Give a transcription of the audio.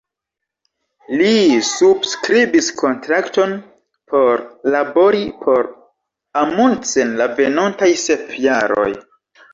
Li subskribis kontrakton por labori por Amundsen la venontaj sep jaroj.